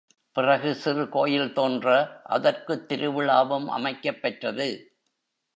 பிறகு சிறு கோயில் தோன்ற, அதற்குத் திருவிழாவும் அமைக்கப் பெற்றது.